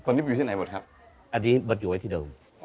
ตรงนี้อยู่ที่ไหนบทครับอันนี้บทอยู่ไว้ที่เดิม